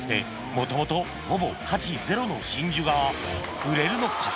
元々ほぼ価値ゼロの真珠が売れるのか？